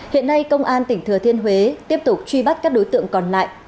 hiện nay công an tỉnh thừa thiên huế tiếp tục truy bắt các đối tượng còn lại